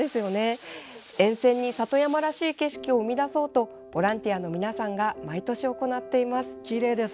沿線に里山らしい景色を生み出そうとボランティアの皆さんが毎年行っています。